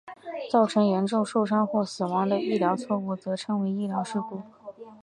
造成严重受伤或死亡的医疗错误则称为医疗事故。